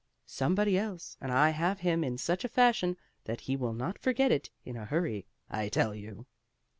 "Somebody else, and I have him in such a fashion that he will not forget it in a hurry, I tell you!"